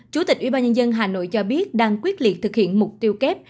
chủ tịch ubnd hà nội cho biết đang quyết liệt thực hiện mục tiêu kép